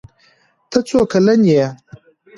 ته څو کلن يي